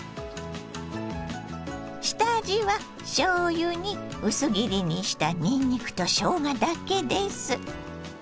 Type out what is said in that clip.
下味はしょうゆに薄切りにしたにんにくとしょうがだけです。